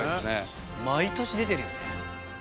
毎年出てるよね。